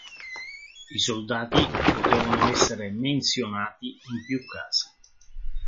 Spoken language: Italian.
I soldati potevano essere menzionati in più casi.